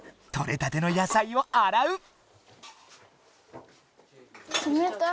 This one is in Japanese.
とれたての野菜をあらう。